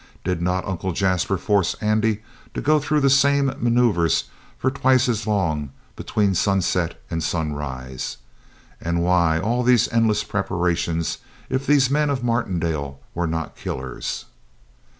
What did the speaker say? Did not Uncle Jasper force Andy to go through the same maneuvers for twice as long between sunset and sunrise? And why all these endless preparations if these men of Martindale were not killers?